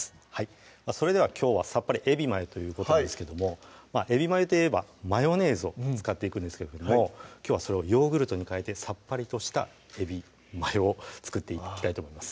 きょうは「さっぱりエビマヨ」ということなんですけどもエビマヨといえばマヨネーズを使っていくんですけどもきょうはそれをヨーグルトにかえてさっぱりとしたエビマヨを作っていきたいと思います